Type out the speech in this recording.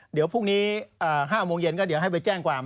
เดี๋ยวพรุ่งนี้๕โมงเย็นก็เดี๋ยวให้ไปแจ้งความ